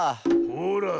ほら。